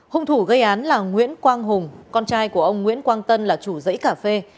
hung thủ gây án là nguyễn quang hùng con trai của ông nguyễn quang tân là chủ dãy cà phê